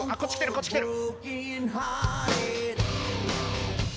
こっち来てる！